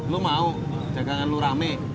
lo mau jangan lo rame